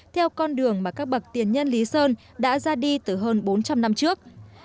theo con đường mà các bậc tiền nhân lý sơn đã ra đi từ hơn bốn trăm linh năm trước